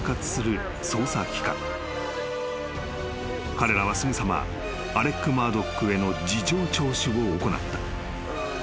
［彼らはすぐさまアレック・マードックへの事情聴取を行った］